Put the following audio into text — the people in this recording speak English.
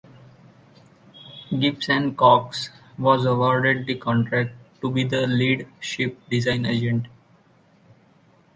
Gibbs and Cox was awarded the contract to be the lead ship design agent.